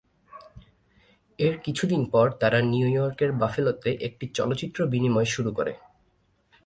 এর কিছুদিন পর, তারা নিউ ইয়র্কের বাফালোতে একটি চলচ্চিত্র বিনিময় শুরু করে।